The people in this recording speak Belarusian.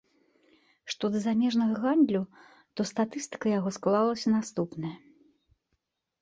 Што да замежнага гандлю, то статыстыка яго склалася наступная.